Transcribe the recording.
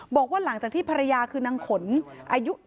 บอกว่าหลังจากที่ภรรยาคือนางขนอายุ